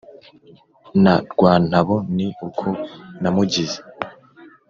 Na Rwantabo ni uko namugize.